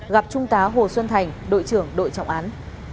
gặp trung tá hồ xuân thành đội trưởng đội trọng án